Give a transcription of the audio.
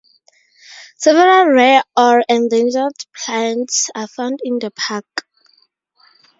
Several rare or endangered plants are found in the park.